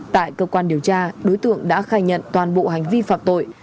tại cơ quan điều tra đối tượng đã khai nhận toàn bộ hành vi phạm tội